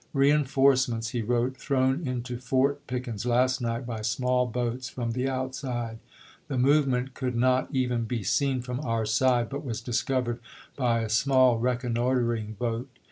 " Reenforcements," he wrote, "thrown into Fort Pickens last night by small boats from the outside. The movement could Bragg to not even be seen from our side, but was discovered Api.'is.isiii. W R Vol by a small reconnoitering boat."